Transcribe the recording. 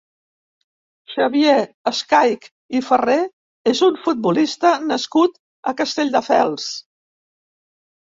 Xavier Escaich i Ferrer és un futbolista nascut a Castelldefels.